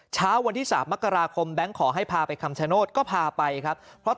เช้าวันที่๓มกราคมแบงค์ขอให้พาไปคำชโนธก็พาไปครับเพราะ